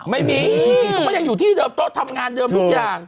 ไม่มีเขาก็ยังอยู่ที่เดิมโต๊ะทำงานเดิมทุกอย่าง